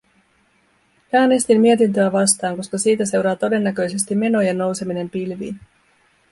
Äänestin mietintöä vastaan, koska siitä seuraa todennäköisesti menojen nouseminen pilviin.